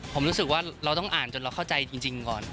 ผมรู้สึกว่าเราต้องอ่านจนเราเข้าใจจริงก่อน